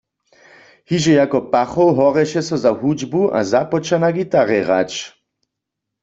Hižo jako pachoł horješe so za hudźbu a započa na gitarje hrać.